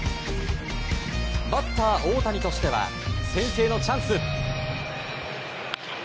バッター大谷としては先制のチャンス。